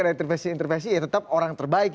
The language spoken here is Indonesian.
ada intervensi intervensi ya tetap orang terbaik